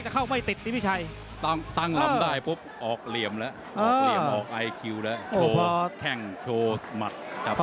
ขอบคุณครับมวย